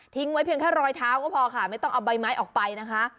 ไว้เพียงแค่รอยเท้าก็พอค่ะไม่ต้องเอาใบไม้ออกไปนะคะ